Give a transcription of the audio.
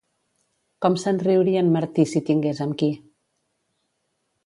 Com se'n riuria en Martí, si tingués amb qui!